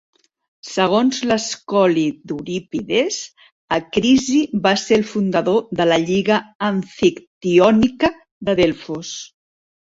Segons l'escoli d'Eurípides, Acrisi va ser el fundador de la Lliga Amfictiònica de Delfos.